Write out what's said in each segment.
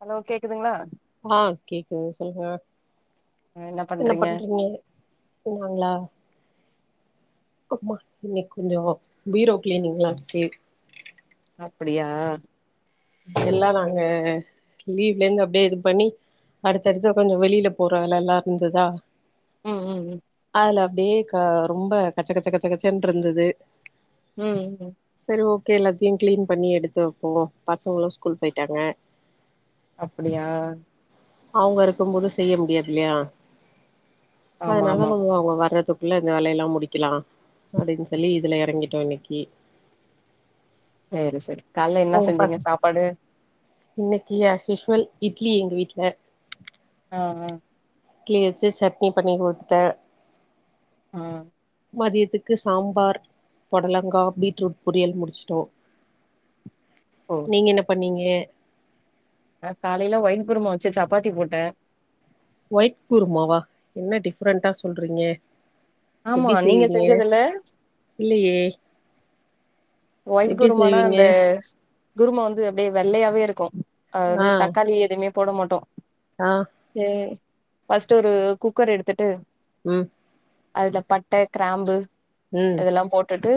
Hello கேக்குதுங்களா ஆ கேக்குது சொல்லுங்க என்ன பண்றீங்க [unintelligible] ஆமா இன்னைக்கு கொஞ்சோ பீரோ கிளீனிங்லா இருக்கு அப்டியா எல்லா நாங்க லீவ்ல இருந்து அப்டியே இது பண்ணி அடுத்தடுத்து கொஞ்சோ வெளியில போற வேலலா இருந்துதா ம் ம் ம் அதுல அப்டியே க ரொம்ப கச்ச கச்ச கச்ச கச்சன்றுந்துது ம்ம் செரி ஓக்கே எல்லாத்தியு கிளீன் பண்ணி எடுத்து வப்போ பசங்களு ஸ்கூல் பொயிட்டாங்க அப்டியா அவுங்க இருக்கும் போது செய்ய முடியாதில்லயா ஆமா அதனால ஆமா நம்ம அவுங்க வர்றதுகு குள்ள இந்த வேலயெல்லா முடிக்கலா அப்டின்னு சொல்லி இதுல எறங்கிட்டோ இன்னிக்கி சேரி சேரி கால்ல என்ன செஞ்சீங்க சாப்பாடு இன்னைக்கி அஸ்யூஷ்வல் இட்லி எங்க வீட்ல ஆ ஆ இட்லி வச்சு சட்னி பண்ணி குடுத்துட்டே ஆ மதியத்துக்கு சாம்பார் பொடலங்கா பீட்ரூட் பொரியல் முடுச்சிட்டோ ஓ நீங்க என்ன பண்ணீங்க நா காலைல ஒயிட் குருமா வச்சு சப்பாத்தி போட்டே ஒயிட் குருமாவா என்ன டிஃப்ரெண்ட்டா சொல்றீங்க ஆமா நீங்க செஞ்சதில்ல இல்லயே ஒயிட் குருமானா செய்வீங்க அந்த குருமா வந்து அப்டியே வெள்ளயாவே இருக்கும் அது ஆ வந்து தக்காளி எதுமே போட மாட்டோ ஆ சேரி‌ ஃபர்ஸ்டு ஒரு குக்கர் எடுத்துட்டு ம் அதுல பட்ட கிராம்பு ம் இதெல்லா போட்டுட்டு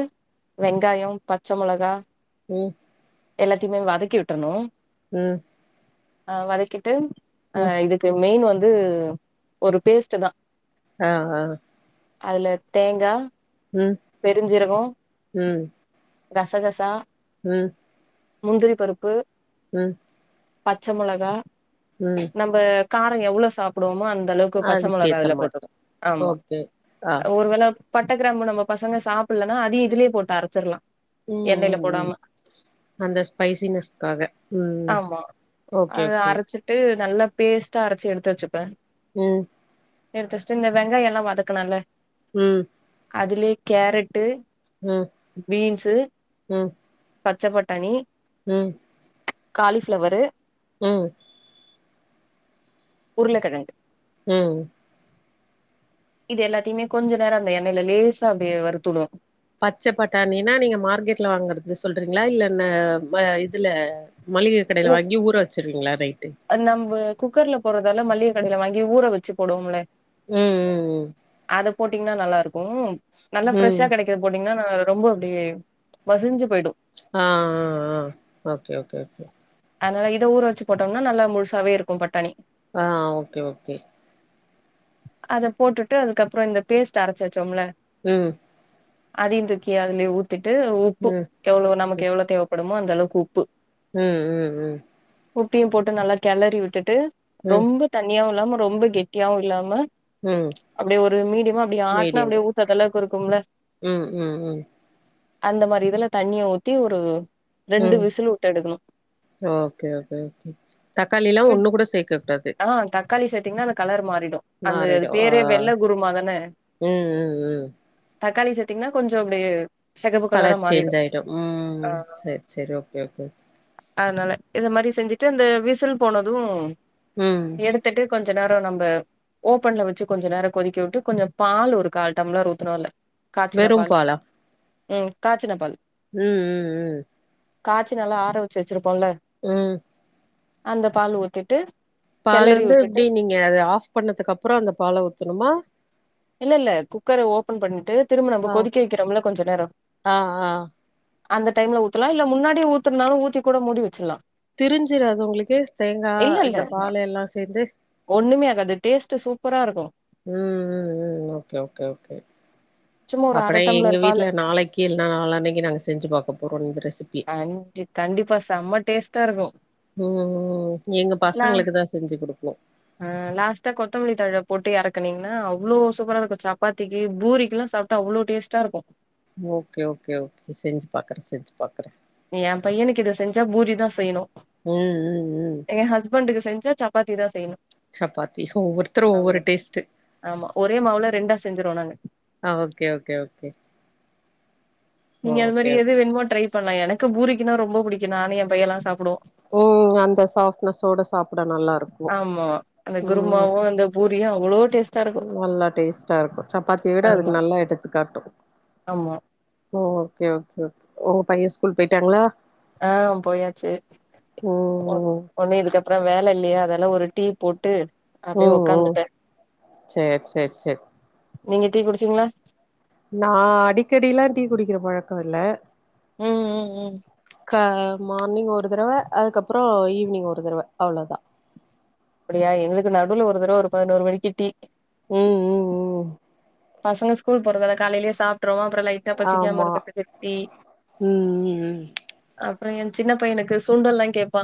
வெங்காயம் பச்ச மொளகா ம் எல்லாத்திமே வதக்கி விட்றணு ம் ஆ வதக்கிட்டு அ ம் இதுக்கு மெயின் வந்து ஒரு பேஸ்ட்டு தா ஆ ஆ அதுல தேங்கா ம் பெருஞ்சீரகோ ம் கசகசா ம் முந்திரி பருப்பு ம் பச்ச மொளகா ம் நம்ப காரோ எவ்ளோ சாப்புடுவோமோ அந் அந்தளவுக்கு பச்ச மொளகா அதுக்கேத்த அதுல மாரி போட்றனு ஆமா ஓகே ஆ ஒருவேள பட்ட கிராம்பு நம்ம பசங்க சாப்புலனா அதயு இதிலே போட்டு அரச்சுறலா ம் எண்ணெய்ல ம் போடாம ம் அந்த ஸ்பைசினஸ்க்காக ம் ஓக்கே ஓக்கே ட்டு நல்லா பேஸ்ட்டா அரச்சு எடுத்து வச்சுப்பே உம் எடுத்துஸ்டு இந்த வெங்காயோ எல்லா வதக்கலால உம் அதுலேயே கேரட்டு உம் பீன்ஸு பச்ச பட்டாணி உம் காலிஃபளவரு உம் உருளக்கெழங்கு உம் இது எல்லாத்தயுமே கொஞ்ச நேரோ அந்த எண்ணயில லேசா அப்டியே வருத்து விடணும் ம் பச்ச பட்டாணினா நீங்க மார்க்கெட்ல வாங்கறது சொல்றீங்களா இல்ல இதுல மளிகை கடைல வாங்கி ஊற வச்ருவீங்களா நைட்டு நம்ப குக்கர்ல போறதால மல்லிகை கடையில வாங்கி ஊற வச்சு போடுவோம்ல உம் அத போட்டீங்கனா நல்லா இருக்கூ நல்லா ம் ம் ஃப்ரெஷ்ஷா கெடைக்கூ போட்டீங்கன்னா நா ரொம்ப அப்டியே மசிஞ்சு போயிடூ ஆ ஆ ஆ ஓகே ஓகே ஓகே அதனால இத ஊற வச்சு போட்டோம்னா நல்லா முழுசாவே இருக்கூ பட்டாணி ஆ ஓகே ஓகே அத போட்டுட்டு அதுக்கப்புறம் இந்த பேஸ்ட் அரைச்சு வச்சோம்ல உம் அதையு தூக்கி அதுலயே ஊத்திட்டு உப்பு ம் எவ்ளோ நமக்கு எவ்ளோ தேவப்படுமோ அந்தளவுக் உப்பு உம் உம் உம் உப்பயும் போட்டு நல்லா கேலரி விட்டுட்டு ம் ரொம்ப தண்ணியாவும் இல்லாம ரொம்ப கெட்டியாவும் இல்லாம உம் அப்டி ஒரு மீடியமா அப்டி ஆட்னா அப்டியே ஊத்த தளவுக்கு இருக்கும்ல உம் உம் உம் அந்த மாரி இதுல தண்ணிய ஊத்தி ஒரு ரெண்டு விசில் விட்டு எடுக்கணூ ஓகேஓகேஓகே தக்காளி எல்லா விட்டு ஒன்னு கூட சேக்க கூடாது ஆ தக்காளி சேத்தீங்கன்னா அந்த கலர் மாறிடூ அந்த அ மாறிடு ஆ பேரே வெள்ள குருமா தான ம் ம் ம் தக்காளி சேத்தீங்கன்னா கொஞ்சம் அப்டியா கலர் சேஞ்ச் ஆயிடும் ஆ உம் சரி சரி ஓகே ஓகே அதனால இத மாரி செஞ்சுட்டு இந்த விசில் போனதூ உம் எடுத்துட்டு கொஞ்ச நேரோ நம்ப ஓப்பன்ல வச்சு கொஞ்ச நேரோ கொதிக்க விட்டு கொஞ்சம் பால் ஒரு கால் டம்ளர் ஊதாணும்ல காச்சின வெறும் பால் பாலா உம் காச்சின பால் உம் உம் உம் காச்சி நல்லா ஆர வச்சு வச்சிருப்போல உம் அந்த பால் ஊத்திட்டு பால் கெளறி வந்து விட்டுட்டு எப்படி நீங்க அதை ஆஃப் பண்ணதுக்கு அப்புறோ அந்த பால் ஊத்தணுமா இல்ல இல்ல குக்கரை ஓபன் பண்ணிட்டு திரும்ப நம்ம ஆ கொதிக்க வைக்கிறம்ல கொஞ்சோ நேரம் ஆ ஆ அந்த டைம்ல ஊத்துலா இல்ல முன்னாடிய ஊத்தருனாலு ஊத்தி கூட முடி வச்சிடலா திரிஞ்சிராது உங்களுக்கு தேங்கா இல்ல இந்த பால் எல்லா சேத்து ஒண்ணுமே ஆக்காது டேஸ்ட்டு சூப்பரா இருக்கு உம் உம் உம் ஓக்கே ஓக்கே ஓக்கே சும்மா ஒரு அர அப்புறோ எங்க டம்ளர் பாலு வீட்டுல நாளைக்கு கீ நாளானிக்கு நாங்க செஞ்சுபாக்க போறோ இந்தரெசிபி கண்டி கண்டிப்பா செம்ம டேஸ்ட்டா இருக்கு உம் உம் எங்க லா பசங்களுக்கு தா செஞ்சு கொடுப்போ ஆ லாஸ்டா கொத்தமல்லி தழ போட்டு எறக்குனுங்கின்னா அவ்வளோ சூப்பரா இருக்கு சப்பத்திக்கு பூரிக்கெல்லா சாப்ப ட அவ்வளோ டேஸ்டா இருக்கு ஓக்கே ஓக்கே ஓக்கே செஞ்சு பாக்குறே செஞ்சு பாக்குறே எ பையனுக்கு இத செஞ்சா பூரிதா செய்யணு உம் உம் உம் எ ஹஸ்பண்ட்க்கு செஞ்சா சப்பாத்தி தா செய்ணு சப்பாத்தி ஒவ்வொருத்தரு ஆமா ஒவ்வொரு டேஸ்ட்டு ஆமா ஒரே மாவுல ரெண்டா செஞ்சிருவோ நாங்க ஆ ஓக்கே ஓக்கே ஓக்கே நீங்க அந்த மாரி எது வேணுமோ டிரை பண்ணலா எனக்கு பூரிக்குன ரொம்ப பிடிக்கு நானு என் பைய எல்லா சா ஓ அந்த சாப்டனஸ்ஸோட சாப்பிட நல்லா இருக்கு ஆமா அந்த உம் குருமாவு அந்த பூரியு அவ்ளோ டேஸ்ட் நல்லா டேஸ்ட்டா இருக்கு சப்பாத்திய விட ஆமா அதுக்கு நல்லா எடுத்துக்காட்டு ஆமா ஓ ஓக்கே ஓக்கே கே உங்க பைய ஸ்கூல் போயிட்டாங்களா ஆ போயாச்சு ஒண் ம் ஒண்ணு இதுக்கப் அப்புறோ வேல இல்லையா அதால்ல ஒரு டீ போட்டு ம் அப்டியே ம் ம் உக்காந்துட்டே சேர் சேர் சேர் நீங்க டீ குடிச்சீங்களா நா அடிக்கடில்லா டீ குடிக்கிற பழக்கோ இல்ல ம் ம் ம் ஆ மார்னிங் ஒரு தடவை அதுக்கப்புறோ ஈவி்னிங் ஒரு தடவ அவ்வளோதா அப்டியா எங்களுக்கு நடுவுல ஒரு தடவ ஒரு பதினோரு மணிக்கு டீ ம் ம் ம் பசங்க ஸ்கூல் போறதால காலையிலேயே சாப்ட்ருவோ அப்புறோ லைட் ட பசிக்காம ஆமா இருக்குறக்கு டீ ம் ம் ம் அப்புறோ எ சின்ன பையனுக்கு சுண்டல்லா கேப்பா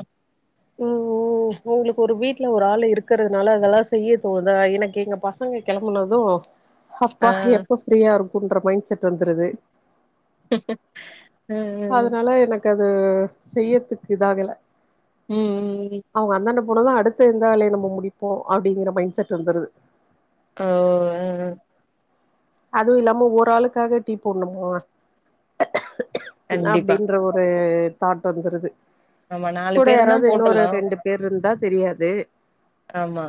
ஓ ஓ ம்ச் உங்களுக்கு ஒரு வீட்டுல ஒரு ஆள் இருக்கிறதுனால அதெல்லா செய்ய தோனுதா எனக்கு எங்க பசங்க கொளம்பனது அப்பா ஆ எப்ப ஃப்ரீயா இருக்குன்ற மைண்ட் செட் வந்துருது ஆ ஆ ஆ எனக்கது செய்யறதுக்கு இதாகல ம் ம் ம் அவங்க அந்தாண்ட போனது அடுத்த எந்த வேலைய நம்ம முடிப்போ அப்படிங்கிற மைண்ட செட் வந்துருது ஆ ஆ அதுவு இல்லாம ஒரு ஆளுக்காக டீ போடணுமா கண்டிப்பா அப்டின்ற ஒரு தாட் வந்துருது ஆமா நாலு கூட பேருனா யாராவது இன்னொரு போட்டுர்லா ரெண்டு பேர் இருந்தா தெரியாது ஆமா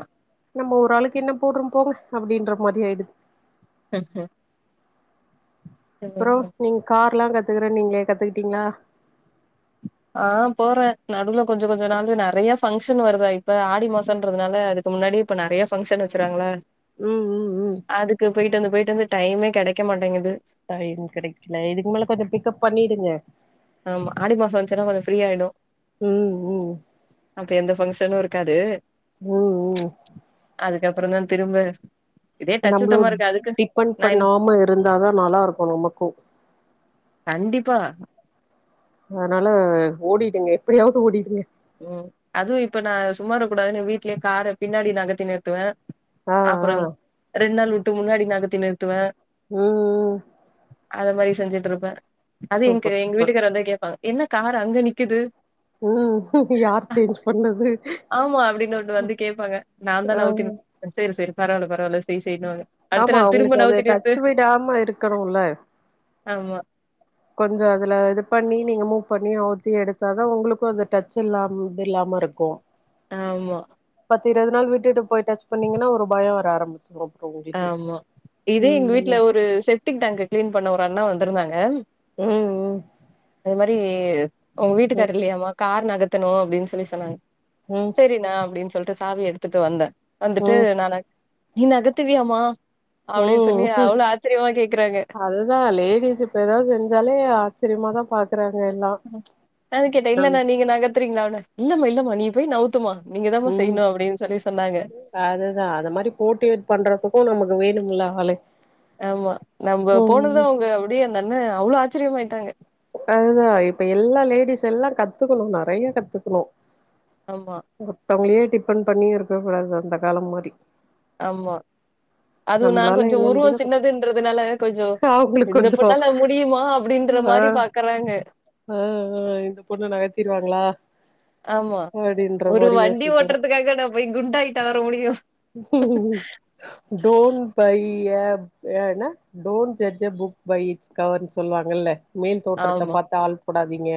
நம்ம ஒரு ஆளுக்கு என்ன போடுறோ போங்க அப்டின்ற மாரி ஆயிடுது ம் ம் அப்பறோ நீங்க கார்ல்லா கத்துக்குற நீங்களே கத்துக்கிட்டீங்களா ஆ போறே நடுவில கொஞ்ச கொஞ்ச நாளு நெறைய ஃபங்க்ஷன் வருதா இப்ப ஆடி மாசம்ன்றதுனால அதுக்கு முன்னாடி இப்ப நெறைய பங்க்ஷன் வச்சுர்ராங்களா ம் ம் ம் அதுக்கு போயிட்டு வந்து போயிட்டு வந்து டைமே கிடைக்க மாட்டேங்குது டைம் கெடைக்கல இதுக்கு மேல கொஞ்சோ பிக்கப் பண்ணிடுங்க ஆமா ஆடி மாசோ வந்துச்சுன்னா கொஞ்சோ ஃப்ரீயாயிடு ம் ம் அப்ப எந்த ஃபங்க்ஷனு இருக்காது ஓ ஓ அதுக்கப்பறோ தா திரும்ப இதே டச் நம்மளோ சுத்தமா இருக்கு அதுக்கு டிபெண்ட் நா இன் பண்ணாம இருந்தாதா நல்லா இருக்கு நமக்கு கண்டிப்பா அதனால ஓடிடுங்க எப்படியாவது ஓடிடுங்க ம் அதுவு இப்ப நா சும்மா இருக்க கூடாது நு வீட்லயே கார பின்னாடி நகத்தி நிறுத்துவே ஆ அப்புறோ ஆ ரெண்டு நாள் விட்டு முன்னாடி நகத்தி நிறுத்துவே ம் ம் அத மாரி செஞ்சுட்டு இருப்பே அது எங்க சூப்பர் எங்க சூப்பர் வீட்டுக்காரு வந்தா கேப்பாங்க என்ன கார் அங்க நிக்குது ம் யார் சேஞ்ச் பண்ணது ஆமா அப்படின்னு ஆ சேரி சேரி பரவால்ல பரவால்ல செய் செய்னுவாங்க அடுத்த ஆமா நாள் அவுங்களுக்கு திரும்ப அது நவுத்தி நிறுத்து டச் விடாம இருக்கணுல ஆமா கொஞ்சோ அதுல இது பண்ணி நீங்க மூவ் பண்ணி ஓட்டி எடுத்தா தா உங்களுக்கு அது டச் இல்லா இல்லாம இருக் கோ ஆமா பத்து இருபது நாள் விட்டு போய் டச் பண்ணீங்கன்னா ஒரு பாயோ வர ஆரமிச்சுரு ஆமா இதே எங்க வீட்ல ஒரு செப்டிக் டேங்க்க கிளீன் பண்ண ஒரு அண்ணா வந்திருந்தாங்க ம் ம் இது மாரி உங்க வீட்டுக்கார் ம் இல்லையாமா கார் நகத்தணு அப்டின்னு சொல்லி சொன்னாங்க ம் செரி நா அப்டின்னு சொல்லிட்டு சாவி எடுத்துட்டு வந்தே வந்துட்டு ம் நா நகத் நீ நகத் துவியமா அப்டின்னு ம் சொல்லி ம் அவ்ளோ ஆச்சிரியமா கேக்குறாங்க அதுதா லேடிஸு இப்ப ஏதாவது செஞ்சாலே ஆச்சரியமா தா பா கிறாங்க எல்லா ம் அதா கேட்டா இல்ல நம் நா நீங்க நகத் த்ரீங்களன்னு இல்லமா இல்லம்மா நீ போய் நௌத்துமா நீங்க தாமா ம் செய்யணு அப்டின்னு சொல்லி சொன்னாங்க அதுதா அத மாரி போட்டிவேட் பண்றதுக்கு நமக்கு வேணும்லா ஆளு ஆமா நம்ம ம் போனது அவுங்க அப்டியே அந்தண்ண அவ்ளவு ஆச்சரியமாயிட்டாங்க அதுதா இப்ப எல்லா லேடிஸ் எல்லா கத்துக்கணு நறைய கத்துக்கணு ஆமா மத்தவங்களே டிப்பன் பண்ணியு இருக்க கூடாது அந்த காலோ மாரி ஆமா அதுவு நா நம்மளால கொஞ்சோ என்ன உருவோ முடியுதோ கத்து சின்னதுன்றதுனால கொஞ்சோ அவங்களுக்கு இந்த கொஞ்சோ பொண்ணால முடியுமா அப்டின்ற ஆ மாரி பாக்குறாங்க ஆ ஆ இந்த பொண்ணு நகத்திருவாங்களா ஆமா அப்டின்ற ஒரு மாரி வண்டி யோசிக்கிறே ஓட்டுறதுக்காக நா போயி குண்டாகிட்டா வர முடியு டோன் பைய அ என டோன்ட் ஜட்ஜ புக் பை இட்ஸ் கவர்னு சொல்லுவாங்கல்ல மேல் தோற்றத்த ஆமா, பாத்தா ஆள் போடாதீங்க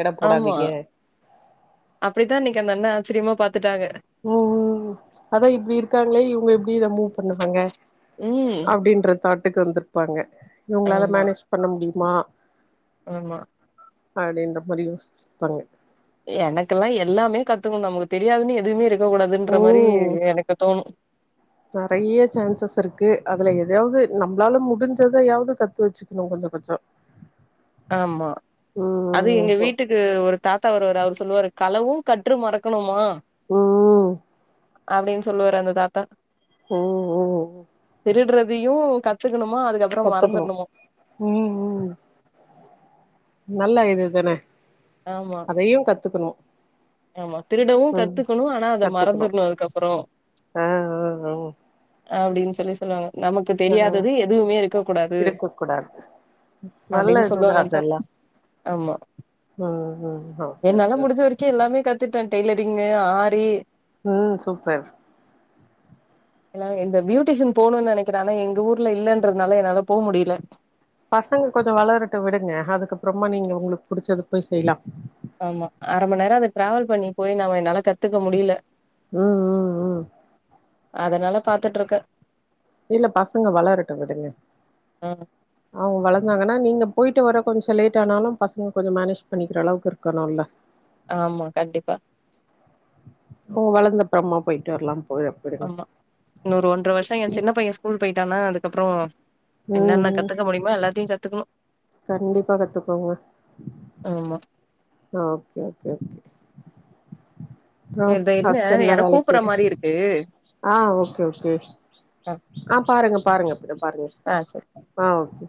எட ஆமா போடாதீங்க அப்டித்தா அன்னைக்கு அந்த அண்ண ஆச்சரியமா பாத்துட்டாக ம் ம் அதா இப்டி இருக்காங்களே இவங்க எப்டி இத மூவ் பண்ணுவாங்க ம். அப்டின்ற தாட்டுக்கு வந்திருப்பாங்க இவங்களால ஆமா, மேனேஜ் பண்ண முடியுமா ஆமா அப்டின்ற மாரி யோசிச்சுருப்பாங்க எனக்கெல்லா எல்லாமே கத்துக்கணு நமக்கு தெரியாதுன்னு எதுவுமே இருக்க கூடாதுன்ற மாரி ம் எனக்கு தோணு நெறைய சான்சஸ் இருக்கு அதுல எதயாவ்து நம்மளால முடிஞ்சதயாவ்து கத்து வச்சுக்கணு கொஞ்சொ கொஞ்சொ ஆமா அதுவ் ம் எங்க வீட்டுக் கு ஒரு தாத்தா வருவாரு அவரு சொல்லுவாரு களவும் கற்று மறக்கணுமா ம் ம் அப்டின் சொல்லுவாரு அந்த தாத்தா ம் ஓ ஒ திருடுறதையு கத்துக்கணுமா அதுக்கப் கத்துக்கணு ம் ம் நல்ல இதுதான ஆமா அதையு கத்துக்கணு ஆமா திருடவு ம் கத்துக்கணு ஆனா அத கத்துக்கணு மறந்துரணு அதுக்கப்றோ ஆ ஆ ஆ அப்டின் சொல்லி சொல்லுவாங்க நமக்கு ஆ தெரியாதது எதுவுமே இருக்க கூடாது இருக்க கூடாது நல்ல அப்டின் இதுதா சொல்லுவாங்கா அந்த தாத்தா அதெல்லா ஆமா ம் ம் ஓகே ஓகே கே க்கெல்லாமே கத்துட்டே டெய்லரிங் ஆரி ம் சூப்பர் என்னால இந்த பியூட்டிஷியன் போனுன் நெனைக்கிறே ஆனா எங்க ஊர்ல இல்லன்றதுனால என்னால போக முடில பசங்க கொஞ்சொ வளரட்டு விடுங்க அதுக்கப்புறமா நீங்க உங்களுக்கு புடிச்சத போய் செய்லா ஆமா அர மண் நேரோ அது டிராவல் பண்ணி போய் நம்ம என்னால கத்துக்க முடியல ம் ம் ம் அதனால பாத்துட்டுருக்கே இல்ல பசங்க வளரட்டு விடுங்க ஆ அவங்க வளந்தாங்கன்னா நீங்க போயிட்டு வர கொஞ்சோ லேட் ஆனாலு பசங்க கொஞ்சொ மேனேஜ் பண்ணிக்கிற அளவுக்கு இருக்கணுல்ல ஆமா கண்டிப்பா அவ்ங்க வளந்தப்பறம்மா போயிட்டு வர்லாம் ஆமா இன்னொரு ஒன்ற வருஷோ எ சின்ன பைய ஸ்கூல் போயிட்டானா அதுக்கப்பறோ ம் என்னன்ன ம் கத்துக்க முடியுமா எல்லாத்தையு கத்துக்கணு கண்டிப்பா கத்துக்கோங்க ஆமா ஓகே ஓகே ஓகே நா சேரி இதோ இருங்க ஹஸ்பண்ட்லா யாரோ வேலைக்கு கூப்புற போயிட்டே மாரி இருக்கு ஆ ஓகே ஓகே ஆ பாருங்க பாருங்க அப்பத பாருங்க ஆ சரி ஆ ஓகே